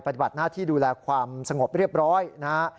ปฏิบัติหน้าที่ดูแลความสงบเรียบร้อยนะฮะ